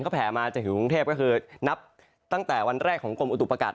แผลมาจนถึงกรุงเทพก็คือนับตั้งแต่วันแรกของกรมอุตุประกาศ